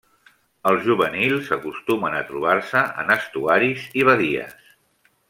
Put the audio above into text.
Els juvenils acostumen a trobar-se en estuaris i badies.